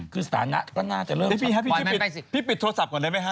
คือสถานะก็น่าจะเริ่มพี่ปิดโทรศัพท์ก่อนได้ไหมฮะ